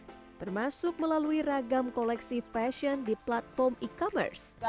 termasuk melalui ragam koleksi fashion di platform e commerce